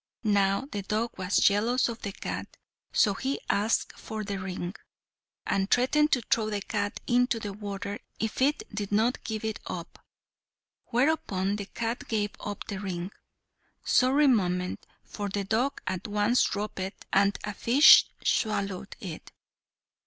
Now the dog was jealous of the cat, so he asked for the ring, and threatened to throw the cat into the water if it did not give it up; whereupon the cat gave up the ring. Sorry moment, for the dog at once dropped it, and a fish swallowed it.